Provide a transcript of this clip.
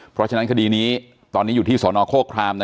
เพราะฉะนั้นคดีนี้ตอนนี้อยู่ที่สนโครคราม